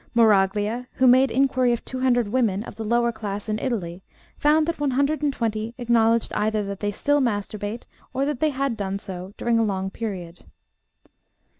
Moraglia, who made inquiry of 200 women of the lower class in Italy, found that 120 acknowledged either that they still masturbate or that they had done so during a long period.